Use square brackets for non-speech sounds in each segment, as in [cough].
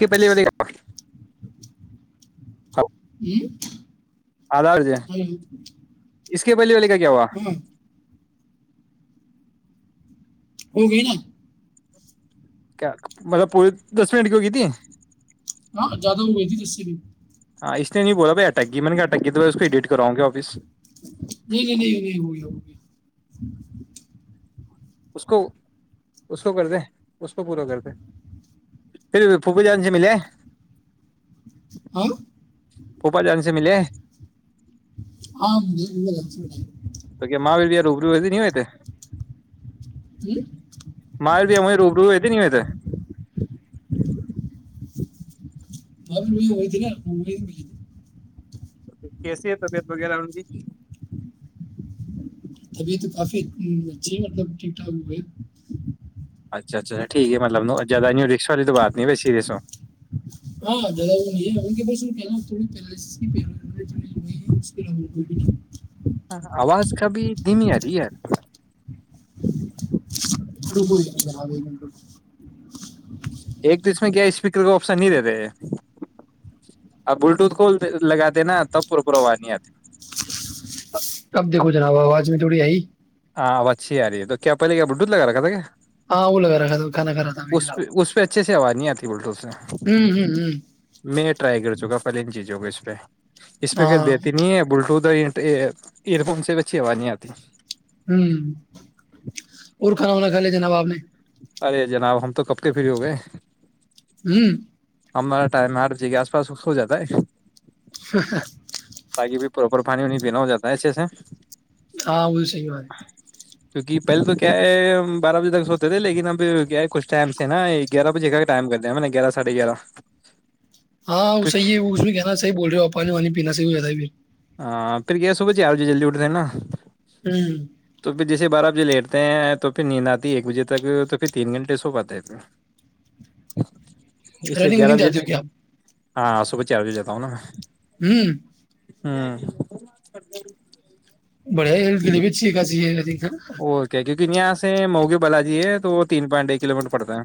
کے پہلے والے ا ہل بلی واللی گ کیا ہوا ہو گئی نا کیا مطلب پوری دس منٹ کی ہوگی تھی ہاں زیادہ ہوئی تھی جسے بھی ہاں اس نے نہیں بولا بائی اٹک گی میں نے کہ اٹک گی تو اس کو ایڈٹ کراؤ گے آفس نہیں نہیں نہیں نہیں ہو گیا ہو گیا اس کو اس کو کر دیں اس کو پورا کر دیں پھر پوبول جان سے ملے آ پوپا جان سے ملے آم روبری بی نہیں ہوتے ہوں؟ مرے ت ہمیں روبرو نہیں ہوتا باں پھر ہوئی تھی نا وہ ت م ت کیسی ہے طبیعت وغیرہ ان کی ابھی تو کافی ہ بچے مطلب ٹھ اب ہے اچھا اچھاا ٹھیک ہے مطلب زیاہ نہیں رکشا والی تو بات نہیں ب سریس ہو ہاں زیادہ وہ نہیں ہے ان کے پاس کہ ن تھوڑی پئی ہے اس ہ آواز کا بھی دن یدی یار رکو جناب ایک منٹ رکو۔ ایک تو اس میں کیا اسپیکر کا آپشن نہیں دیتے ا بلوٹوتھ کو لگاتے نا تب پر پر آواز نہیں آتی اب دیکھو جناب آواز میں تھوڑی آئی ہاں اب اچھیی آ رہی ہے تو کیا پہل کیا ب ڈوھ لگا رہا تھا کیا ہاں اوولو رہا تھا میں اس جناب پہ اس پہ اچھے سے ہوا نہیں آتی بول تو ہوں ہوں ہوں میں رائی کر سگا پلین چیز ہوگا اس پہ اس پہ کہ ہاں دیتی نہیں ہے بلٹو ایئر فون سے بچھی آواز نہیں آتی ہوں اور کھانا وانا کھا لیا جناب آپ نے ارے جناب ہم تو کب کے فری ہو گئے ہوں ہمارا ٹائم آر ج کے آس پس ہو جاتا ہے ہاں تاکہ بھیھر پراپر پانی وانی پینا ہو جاتا ہے اچھے سے ہاں وہ صی والار کیونکہ پہلے تو کیا ہے ہم بارہ بجے تک سوتے تھے لیکن اب کیا ہے کچھ ٹائم سے نا گیارہ بجے کا ٹائم کرتے ہیں میں نے گیارہ ساڑھے گیارہ ہاں وہ پھر صحی ہے اس میں کہنا صح بول رہے ہو آپ پانی وانییناا سے بھی جاتا ہے پھر ہاں پھر کیا صبح چار بجے جل ج اٹھتے ہیں نا ہوں تو پھر جیسے بارہ بجے لیٹتے ہیں تو پھر نیند آتی ہے ایک بجے تک تو پھر تین گھنٹے سو پاتے ہیں پھر اس لیے رنگ گیارہ ونگ بجے جاتی ہو کیا آپ ہاں صوبح چارجے جتا ہوں نا ہوں ہوں بڑھیا ہی گلی بھی چییکا چاہے اوک ن یہاں سے موگی بال جی ہے تو وہ تین پوائنٹ ایک کلو میٹر پڑتا ہے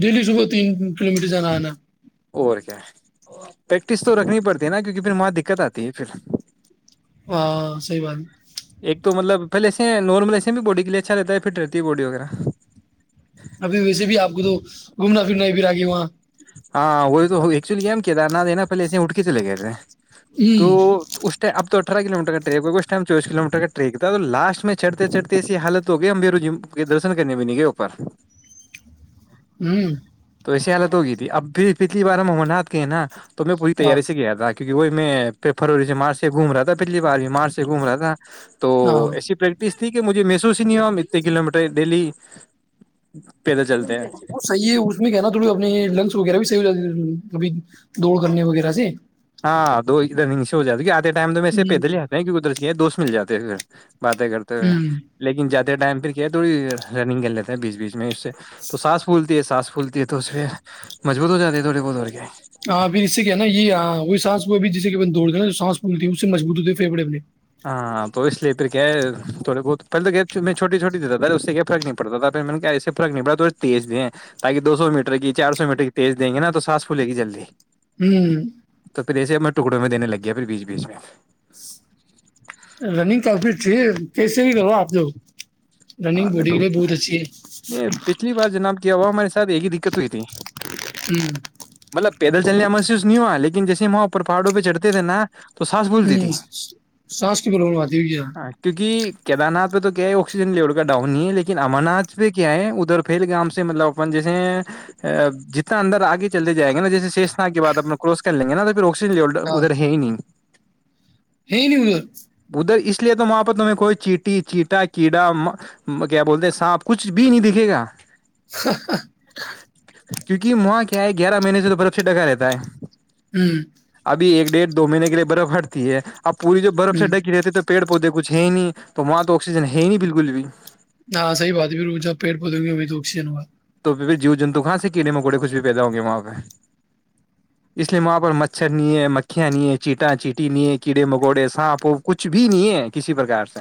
ڈیلی صبح تین کلو میٹر جانا ہےناا اور کیا ہے پریکٹس تو رکھنی پڑتی ہے نا کیونکہ پھر ماں دقت آتی ہے پھر ہاں صحی بات ایک تو مطلب پہلے ایسے نارمل ایسے بھی باڈی کے لیے اچھا رہتا ہے فٹ رہتی ہے باڈی وغیرہ ابھی ویسے بھی آپ کو تو گھومنا پھرنا ہی پھر آگے وہاں ہاں وہ تو ایکچولیم کہ تھاا پہے اٹک چ لے گے تھے تو ہوں اس اب تو اٹھارہ کلو میٹر ٹریک ہو اس ٹائم چوبس کلو میٹر کا ٹریک تھا تو لاسٹ میں چڑھتے چڑھتے ایسی حالت ہو گئی امبیرو ج کے درشن کرنے بھی نہیں گئے اوپر ہوں توی آ تو گیت اب بھی پچھلی بار ہم ا منات کے ہیں نا تو میں ہاں پوریاری سے گیا تھا کیونکہ وہ میں فروری سے مارچ سے گوم رہا تھا پچھلی بار بھی مارچ سے گھوم رہا تھا تو ہاں ایسی پریکٹس ٹھیک ہے مجھے محسوس ہی نہیں ہو اتنے کلو میٹر ڈیلی پیدل چلتے ہیں وہ صحیح ہے اس میں کہ نا تھوڑی اپنی لنگس وغیرہ بھی صیحاتبھی دوڑ کرنے وغیرہ سے ہاں دو ن ش ہو ج گ کیا ٹم تو میں سے ہوں پیدل ہی آتے ہیں کی ادھر کیا ہے دوستوں مل جاتے ہیں گھر باتیں کرتے ہوئے ہوں لیکن ج ٹائم پھر کیا ہے تھوڑی رنگ کر لیتا ہے بیچ بیچ میں اس سے تو ساس فھول ساس پھولتی ہے تو اس پہ مجبوط ہو جاتی ہے تھوڑے بہت اورڑ کے ہ بی اس کے نا یہ آ وہی سانس کو بھی جسے دوڑ ن جو سانس پولتی ہے اس سے مبط ہوتی ہے فیڑ اپنے ہاں تو اس اس لی پھر کیا ہے تھوڑے بہت پہل تو کیا میں چھوٹی چھوٹی دیتا تھا اس سے کیا فرق نہیں پڑتا تھا پھر میں اس سے فرق نہیں پڑا تھ تیز دیں تاکہ دو سو میٹر کی چار سو میٹر کی تیز دیں گے نا تو سانسھولے گ جلدی ہوں تو پہ ج ایسے ہم ٹکڑوں میں دینے لگ گیا پھر بیچ بیچ میں [inaudible] ج کیسے بھی لوا آپ ج ہاں نہیں تو نہیں پچھلی بار جناب کیا ہوا ہمارے سرےی دکھت اتی ہوں پیدل چل کا محسوس نہیں ہوا لن جیسے وہاں پر پاڑوں پہ چڑتے تھے نا تو سانس بھولتی تھی ہوں سانس کی پرابلم آتی ہو کیا ہاں کہا نات تو کیا اکسیجن لے ڈاؤن ہی ہے لیکن امر ناتھ پہ کیا ہے ادھر پل گام سے مطلب اپ جیسے جتنا اندر آگے چلے جائے گا نا جیسے شیشنا کے بد اپ کراس کر لیں گے نا پھروکسیج ل ہاں ادھر ہے ہی نہیں ہے نہیں اورر ادھر اس لیے تو وہاں پ تمہیں کوئی چیٹی چیٹا کیڑا کیا بولتے سانپ کچھ بھی نہیں دکھے گا ہ کیونکہ وہاں کیا ہے گیارہ مہینے سے تو برف ا سے ڈکا رہتا ہے ہوں ایک ڈیڑھ دو مہینے کے لیے برف ہٹتی ہے اب پوری جوب برف سے ہوں ڈکی رہتی تو پیڑ پودے کچھ ہے نہیں تو وہاں تو آکسیجن ہے ہی نہیں بالکل بھی ہاں صحی بات ہے ر جب پیڑ پودوں گے ا بھی تو آکسیجن ہوگا جیو جنتو کہاں سے کیڑے مکوڑے کچھ بھی پیدا ہوں گے وہاں پہ اس لیے وہاں پر مچھر نہیں ہے مکھیاں نہیں ہے چیٹا چیٹی نہیں ہے کیڑے مکوڑے سانپ کچھ بھی نہیں ہے کسی پرکار سے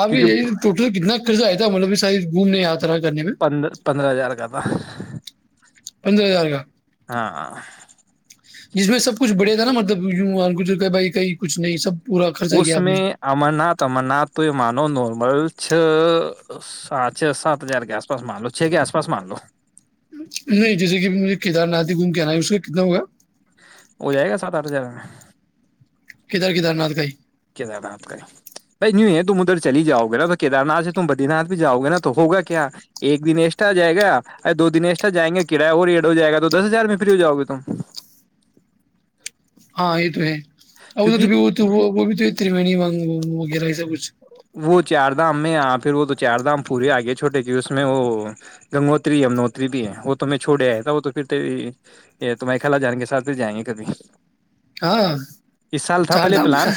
آپب کیونکہ یہ ٹوٹل کتنا قرضہ آ مطلب بھی شاہید گھوم نہیں آتا پندر پندرہ ہزار جبہ پندرہ ہزار کا [inaudible] جس میں سب کچھ بڑھ تھا نا مطلب یوں کچھ کہ بھائی کہئی کچھ نہیں سب پورا خرچہ اس کیا آپ نے میں امر ناتھ امر ناتھ تو یہ مانوم نمل چ سھ سات ہزار کے آس پس مان لو چھ کے آس پا مان لو نہیں جیسے کہ کیدار ناتھ گم کےنا ہے اس کا کتنا ہوگا ہو جائے گا سات آٹھ ہزار میں ادھر کیدار نھ کاھائی کیدار ناتھ کا بھائی یوں ہے تم ادھر چلی جاؤ گے نا تو کیدار ناتھ سے تم بدری ناتھ بھی جاؤ گے نا تو ہوگا کیا ایک دن ایسٹا جائے گا دو دن ایسٹا جائیں گے کرایہ اور ایڈ ہو جائے گا تو دس ہزار میں فری ہو جاؤ گے تم ہاں یہ تو ہے اھر تو کیونکہ بھی وہ تو وہ وہ بھی تو ترریو وگ وغیرہ ای سا کچھ وہ چار دھام میںاں پھر وہ تو چار دھام پورے آگئے چھوٹے کی اس میں وہ گنگوتری یمنوتری بھی ہے وہ تو میں چھوڑے آیا تھا وہ تو پھر تمہ خلا جان کے ساتھ بھی جائیں گے کبھی ہاں اس سال تھا چار پہلے دھام پلان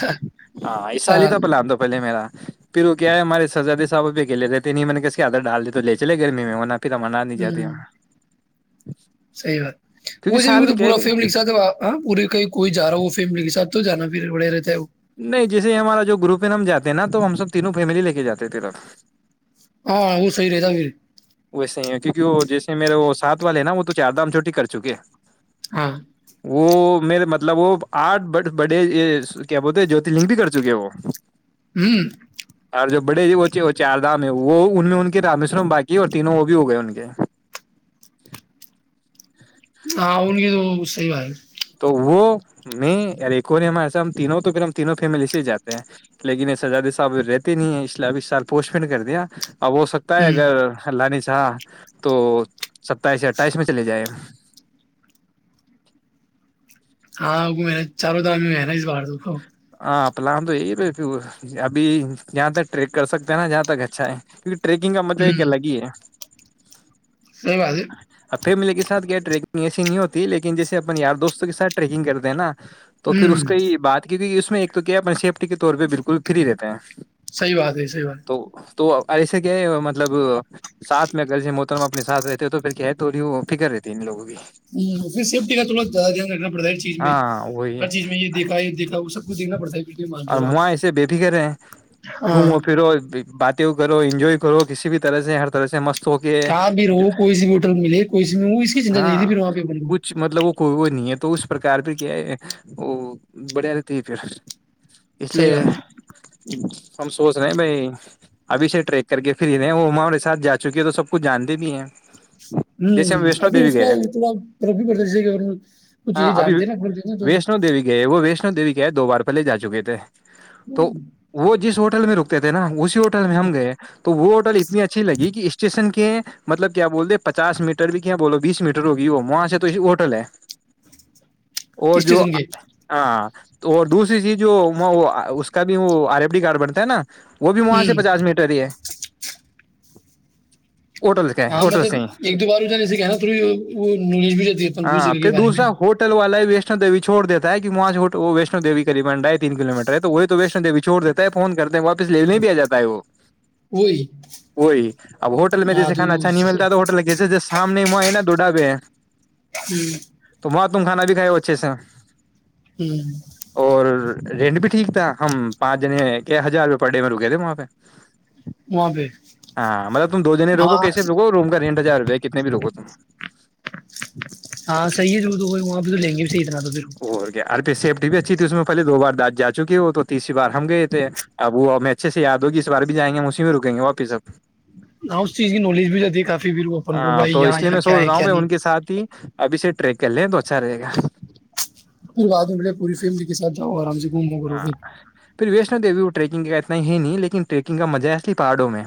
ہاں اس سال ہی تھا پلان تو پہلے میرا پھر وہ کیا ہے ہمارے سزاد صاحب ایلےتے نہیں میں نے کیس کے آدر ڈال دی تو لے چل گرمی میں ہونا پتا منا نہیں جاتی ہم صیح بات ویے سال بھی میں م کیا ہے پورا کہ فیم لکھ ساتاں پورے کہیں کوئی جا ہو وہ فیم لکھ سات تو جانا پھر پڑے رہتے ہے نہیں جیسے ہمارا جو گروپ ہے ن ہم جے ہیں نا تو ہم سب تینوں فیملی لے کے جاتے تھے تف ہاں وہ صی رہتا بھییر ویسے ہی ہے کیونکہ وہ جیسے میرے وہ سات والے ہیں نا وہ تو چار دام چوٹی کر چکے ہیں ہاں وہ میرے مطلب وہ آٹھ بڑے کیا بولتے جوترلنگ بھی کر چکے ہیں وہ ہوں اور جو بڑے وہ چار دام ہے وہ ان میں ان کے رامیشورم با یہ اور تینوں وہ بھی ہو گئے ان کے ہ ان گ تو وہ سی ب ہے تو وہ میں ایک اور نے ہمار ایسا تینوں تو کر ہم تینوں فیملی سے ہی جاتے ہیں لیکن یہ سزاد صاحب رہتے نہیں ہیں اس لیے اب اس سال پوسٹ پین کر دیا اب ہو سکتا ہے ہوں اگر لانی ہ تو ستائیس سےیا اٹھائیس میں چلے جائ ہاں ا محنج چالو تو محن ہی کر ا [inaudible] ہاں پلان تو یہی ابھی جہاں تک ٹریک کر سکتے ہیں نا جہاں تک اچھا ہے کیونکہ ٹیکنگ کا مزہ ایک کیا لگی ہے [inaudible] سی باز اب فیملی کے سات کیا ٹریکنگ ایسی نہیں ہوتی لیکن جیس اپ یار دوستوں کے سھ ٹریکنگ کرتے ہیں نا تو پھر اس ہوں کی ہی بات کیونکہ اس میں ایک تو کیا اپن سیفٹی کے طور پہ بالکل فری رہتے ہیں صحیح بات ہے صحی بات ہے تو تو ایسے کیا ہے مطلب ساتھ میں اگرسے محترم اپنے ساتھ رہتے تو پھر کیا ہے تھوڑی وہ فکر رہتی ہے اننوگوں کی ہھر سیفٹی کا تھوڑا ر چیز میں ہاں وہی ہر ہے چیز میں یہ دیکا یہ دیکھا ہو سب دیکنا پڑتا ہے پھر بھی مان کے اور چلو آپ ماں ایسے بےفکر ہے ہیں ہاں گھومو پھرو بات کرو انجوائے کرو کسی بھی طرح سے ہر طرح سے مست ہو کے کہاں بھی رہو کوئی س بھی ہوٹل میں ملے کوئی س میں اس کی چنتا نہیں تھی ہاں پھر وہاں پہ ب کچھ مطلب وہ کوئی وہ نہیں ہے تو اس پرکار پ کیا ہے وہ بڑھیا رہتی ہے پھر اس صحیح لیے بات ہے ہم سوچ رہے ہیں بھائی ابھی سے ٹریک کر کے پھر ہی رہ ہیں اما ہمارے ساتھ جا چکی ہے تو سب کچھ جانتے بھی ہیں جیسے ہم ہوں ویشنو ابھی دیوی اس کا گئے یہ تھوڑا پر بھی پڑتا جسے ا ک ہاں چیزیں جانتے نا کھولتے ہیںا تو و کہ دوار پلے جا چکیید تو وہ جس ہوٹل میں رک تھے نا وہ ہوٹل میں ہم گئے تو وہ ہوٹل اتنی اچھی لگی کہ اس اسٹیشن کے مطلب کیا بول پچاس میٹر بھی کیا بولو بیس میٹر ہوگی وہ وہاں سے تو ہوٹل ہے اور جو اسٹیشن کے ہاں اور دوسری چیز جو وہ اس کا بھی وہ آر ایف ڈی کارڈ بنتا ہے نا وہ بھی وہاں سے ہوں پچاس میٹر ہی ہے ہوٹل کا ہاں ہوٹل مطلب سے ہی ایک دو بار ہو جانے سے کہ نا تھوڑی وہ نالج بھی جاتی ہے اپن بول ہاں سکے کے پھر بارے میں دوسرا ہوٹل والا ہے ویشنو دیو چھو دیتا ہے کہ وہاں وہ ویشنو دیوی کرریب نا ہے تین کلو میٹر ہے تو وہی تو ویشنوی چھڑ دیتا ہے فون کرتے ہیں واپس لیےنے بھی آ جات ہے وہ وہی وہی اب ہوٹل میں ہاں جیسے تو کھانا ہوں اچھا نہیں ملتا تو ہوٹل جیسے جی شام نہیں، نہ دوڈاے ہوں تم کھانا بھی کا ہو اچھے سے ہوں اور رینٹ بھی ٹھیک تھا ہم پانچ جنے ہزار روپئے پر ڈے میں رکے تھے وہاں پہ وہاں پہ ہاں مطلب تم دو جنے روگو وہاں کیسے رو روم کا رینٹ ہزار روپئے کتنے بھی روگو ہاں صح ہے ر تو ہو وہاں بھی تو لیں گے بھی صحی اتنا تو پھر تو سیفٹی بھی اچھی اس میں پلے دو بار دات جا چکی ہے وہ تو تیسری بار ہم گئے تھے اب وہ ہمیں اچھے سے یاد ہوگی اس بار بھی جائیں گے ہم اسی میں رکیں گے واپس اب ہاں اس چیز کی نالج بھی رہتی ہے کافی پ وہ اپن گ ہاں بھائی تو یہاں اس لیے یہاں میں کیا سوچ ہے رہا ہوں کیا بھائی ان نہیں کے ساتھ ہی ابھی سے ٹریک کر لے دو اچھا رہے گا پھر بعد میں ملے پوری فیملی کےاتھ جاؤ آرام سے گھومو کرو ہاں پھر پھر وش نو دیوی وہ ٹیکنگ کا اتنا ہی نہیں لیکن ٹیکنگ کا مزہ ہے الی پہاڑوں میں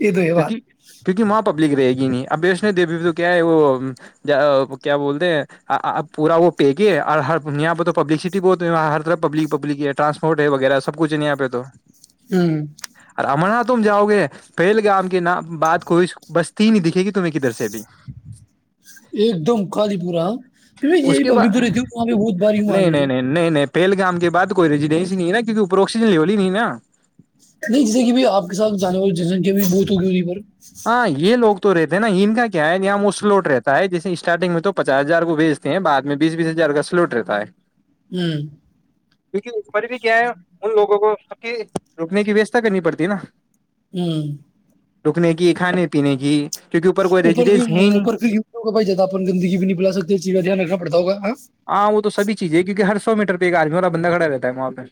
یہ تو یہ بات ک رہے گی نہیں اب اس نے د کیا وہ کیا بولتے ہیں پورا وہ پی گے اور ہر یہ پہ تو پبلسٹی بہتاں ہر طر پبلک پبلک ہے ٹرسپورٹ ہے وغیرہ سب کچ ہے ن یہاں پہ تو ہوں اور امرناتھ تم جاؤ گے پھیل گام کے ن بات کوئی بستی نہیں دکھے گی تمہیں کدھر سے بھی ایک دم کالی پورہ پھر اس یہ کے پب تو بعد رہتی ہوں وہاں پہ بہت بار ہوں آگ گےرور پیل گام کے بد کوئی ریجیڈینسی نہیں نا کیہ اوپر آکسیجن لیول ہی نہیں نا نہیں جسی کی بھی آپ کے ساتھ جانے وال جنسنکھیا بھی بہت ہوگی ہویں پر ہاں یہ ل ہوگ تو رہتے ہیں نا ان کا کیا ہے یہ وہ سلوٹ رہتا ہے جیسے اسٹارٹنگ میں تو پچاس ہزار کو بھیجتے ہیں بعد میں بیس بیس ہزار کا سلوٹ رہتا ہے ہوں کیونکہ اس پرار بھی کیا ہے ان لوگوں کو سب کی روکنے کی ویوستھا کرنی پڑتی ہے نا ہوں سکھنے کی کھانے پینے کی کیونکہ کوئی اوپر بھی ریزیڈینس ہے ہی نہیں اوپر ہو بھ زیادہ اپ گندگی بھی نہیں بلا سکتے اس چیز کا دھیان رکھنا پڑتا ہوگااں ہاں وہ توبھی چیز ہے کیونک ہر سو میٹر ایک آجمی والا بندہ کھڑا رہتا ہے وہاں پہ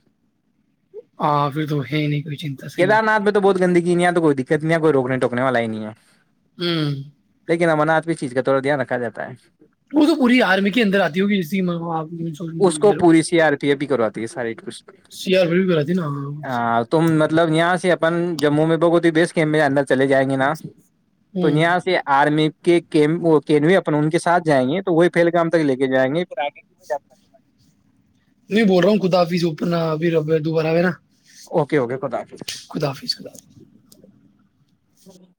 ہاں پھر تو ہے نہیں کوئی چنتا صحیح کیدار ہے ناتھ میں تو بہت گندگی یہاں تو کوئی دکھ کتنییا کوئی روکنے ٹونے والا ہی نہیں ہے ہوں ن من آپ اس چیز کا تھوڑا دھیان رکھا جا ہے ا تو پوری آرمی کی اندر آتی ہوگی جس کی اس مسلمان کی کو طرف پوری سی آر پی ار بھی کرواتی ہے سارے ک ہ سی آر پی بھی کراتی نا ہاں اس سے تم م مطلب یہاں سے اپن جموں میں بگتی بیس کیم کے اندر چلے جائیں گے نا تو ہوں یہاں سے آرمی کینوی اپ ان کے ساتھ جائیں گے تو وہی پہلگام تک لے کے جائیں گے گے کی میں یاا کر میں بول رہا ہوں خداف جو اپنا ر دوبارہ نا اوکے اوکے کوتا حف ہی خدا حافظ خدا